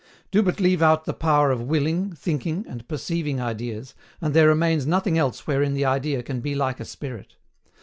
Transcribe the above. Do but leave out the power of willing, thinking, and perceiving ideas, and there remains nothing else wherein the idea can be like a spirit.